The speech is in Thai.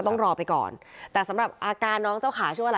ลองไปดูบรรยากาศช่วงนั้นนะคะ